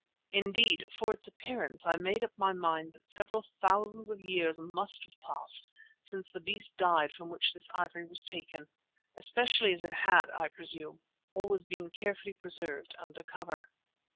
Indeed, for its appearance I made up my mind that several thousands of years must have passed since the beast died from which this ivory was taken, especially as it had, I presume, always been carefully preserved under cover.